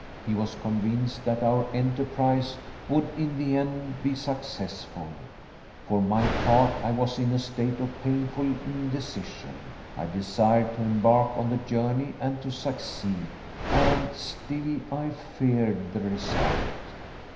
He was convinced that our enterprise would in the end be successful. For my part, I was in a state of painful indecision I desired to embark on the journey and to succeed, and still I feared the result.